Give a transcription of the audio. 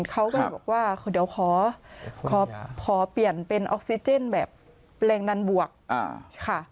เขาก็เลยบอกว่าเดี๋ยวขอเปลี่ยนเป็นออกซิเจนแบบแรงดันบวกค่ะ